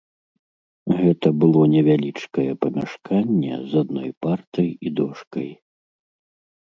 Гэта было невялічкае памяшканне з адной партай і дошкай.